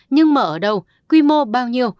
nhưng mở ở đâu quy mô bao nhiêu